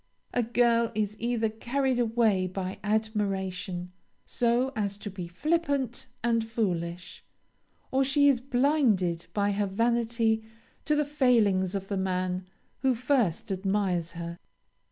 A girl is either carried away by admiration so as to be flippant and foolish, or she is blinded by her vanity to the failings of the man who first admires her.